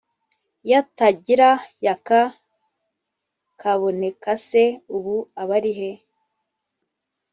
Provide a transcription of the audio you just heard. iyatagira yaka kabonekase ubu abari hehe